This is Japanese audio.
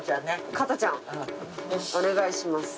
加藤ちゃん。お願いします。